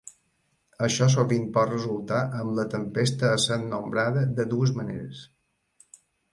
Això sovint pot resultar amb la tempesta essent nombrada de dues maneres.